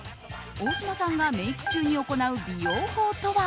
大島さんがメイク中に行う美容法とは。